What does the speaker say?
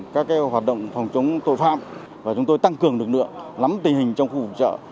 các hoạt động phòng chống tội phạm và chúng tôi tăng cường lực lượng lắm tình hình trong khu vực chợ